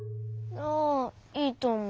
ああいいとおもう。